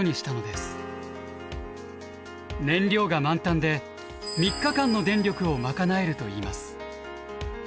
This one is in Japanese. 燃料が満タンで３日間の電力を賄えるといいます。